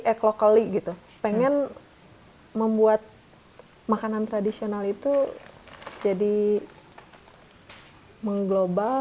e locally gitu pengen membuat makanan tradisional itu jadi mengglobal